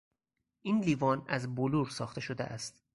این لیوان از بلور ساخته شده است.